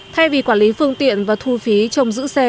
thay vì quản lý phương tiện và thu phí trong giữ xe